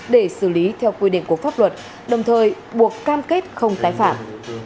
để xử lý theo quy định của pháp luật đồng thời buộc cam kết không tái phạm